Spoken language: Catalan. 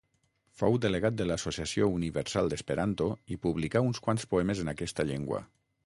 Fou delegat de l'Associació Universal d'Esperanto i publicà uns quants poemes en aquesta llengua.